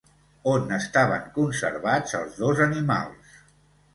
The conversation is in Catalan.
On estaven conservats els dos animals?